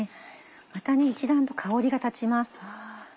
また一段と香りが立ちます。